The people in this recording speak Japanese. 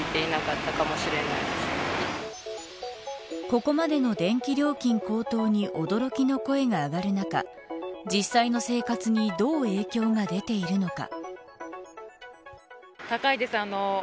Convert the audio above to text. ここまでの電気料金高騰に驚きの声が上がる中実際の生活にどう影響が出ているのか。